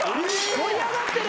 盛り上がってる。